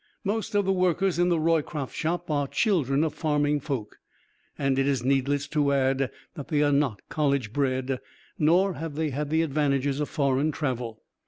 Most of the workers in the Roycroft Shop are children of farming folk, and it is needless to add that they are not college bred, nor have they had the advantages of foreign travel.